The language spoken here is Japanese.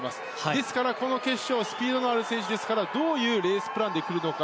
ですから、この決勝スピードのある選手ですからどういうレースプランでいくのか。